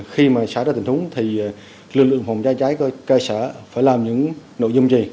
khi xảy ra tình huống lực lượng phòng cháy chữa cháy của cơ sở phải làm những nội dung gì